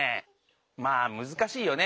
まあむずかしいよね。